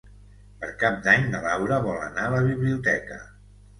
Per Cap d'Any na Laura vol anar a la biblioteca.